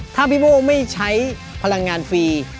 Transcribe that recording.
ถ้าพี่โบ้ไม่ใช้พลังงานฟรี